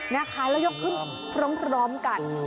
นะคะแล้วยกขึ้นพร้อมกัน